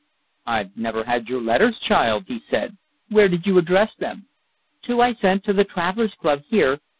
"I've never had your letters, child," he said. "Where did you address them?" "Two I sent to the Travellers' Club, here.